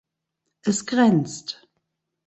Es grenzt